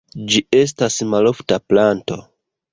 Ĝi estas malofta planto.